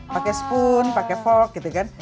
pakai spoon pakai fork gitu kan